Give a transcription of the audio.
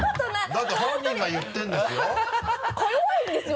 だって本人が言ってるんですよ。